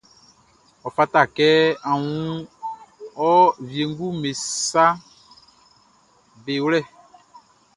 Ɔ fata kɛ a wun ɔ wienguʼm be saʼm be wlɛ.